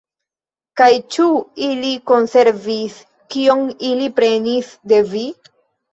Kaj ĉu ili konservis, kion ili prenis de vi?